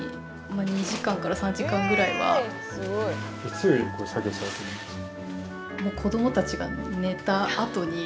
いつ作業されてるんですか？